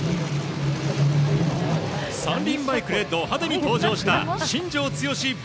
３輪バイクでド派手に登場した新庄剛志